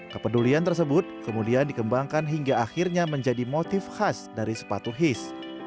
kepedulian tersebut kemudian dikembangkan hingga akhirnya menjadi motif khas dari sepatu his